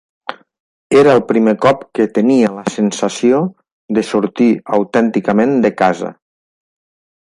Era el primer cop que tenia la sensació de sortir autènticament de casa.